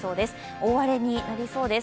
大荒れになりそうです。